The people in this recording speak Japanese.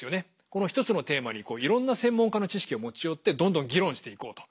この１つのテーマにいろんな専門家の知識を持ち寄ってどんどん議論していこうと。